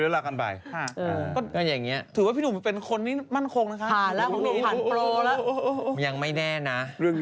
เรื่องยังไม่แน่นะ